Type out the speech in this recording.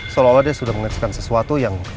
seolah olah dia sudah menyelesaikan sesuatu yang